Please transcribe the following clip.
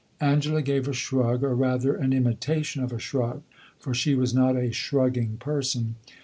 Angela gave a shrug, or rather an imitation of a shrug; for she was not a shrugging person.